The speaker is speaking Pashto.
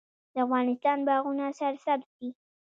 د افغانستان باغونه سرسبز دي